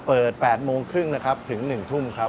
เปิด๘โมงครึ่งนะครับถึง๑ทุ่มครับ